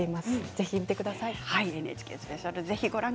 ぜひ見てください。